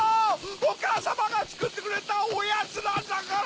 おかあさまがつくってくれたおやつなんだから！